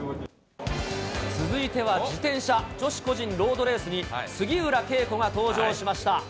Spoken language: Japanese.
続いては自転車女子個人ロードレースに杉浦佳子が登場しました。